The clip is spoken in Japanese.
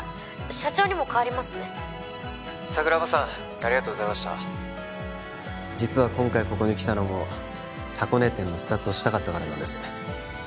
社長にもかわりますね☎桜庭さんありがとうございました実は今回ここに来たのも箱根店の視察をしたかったからなんです